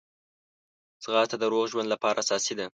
ځغاسته د روغ ژوند لپاره اساسي ده